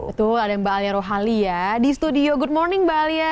betul ada mbak alia rohali ya di studio good morning mbak alia